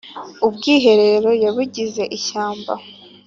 Ubwiherero yabugize ishyamba